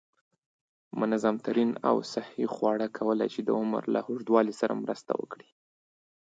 منظم تمرین او صحی خواړه کولی شي د عمر له اوږدوالي سره مرسته وکړي.